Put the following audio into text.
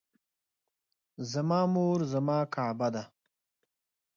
زما مور زما کعبه ده